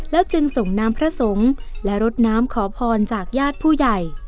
จึงส่งน้ำพระสงฆ์และรดน้ำขอพรจากญาติผู้ใหญ่